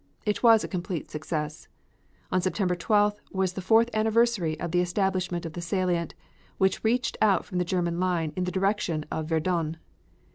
It was a complete success. September 12th was the fourth anniversary of the establishment of the salient, which reached out from the German line in the direction of Verdun.